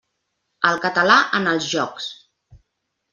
El català en els jocs.